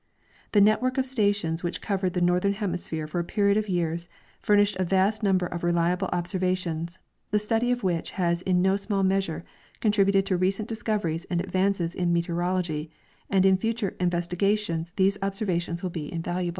The netAvork of stations Avhich covered the northern hemisphere for a period of years furnished a vast number of reliable observations, the study of AA^hich has in no small measure contributed to recent discoveries and advances in meteorology, and in future investigations these observations Avill be invaluable.